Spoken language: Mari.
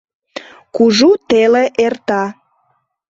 Кужу теле эрта.